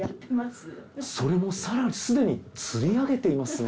それもすでに釣り上げていますね。